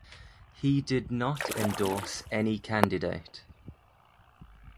He did not endorse any candidate.